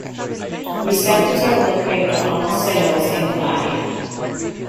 Receptors are located on all cells in the body.